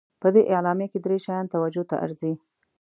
په دې اعلامیه کې درې شیان توجه ته ارزي.